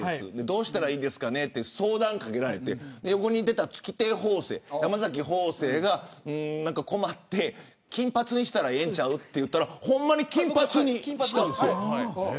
どうすればいいですかねという相談をかけられて横にいた月亭方正が困って、金髪にしたらええんちゃうと言ったらほんまに金髪にしたんです。